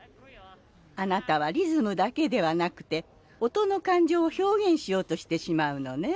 あなたはリズムだけではなくて音の感情を表現しようとしてしまうのね。